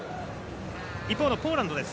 一方のポーランドです。